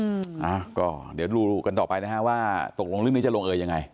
อ่าก็เดี๋ยวดูกันต่อไปนะฮะว่าตกลงเรื่องนี้จะลงเอยยังไง